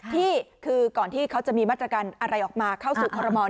ที่คือก่อนที่เขาจะมีมาตรการอะไรออกมาเข้าสู่คอรมอล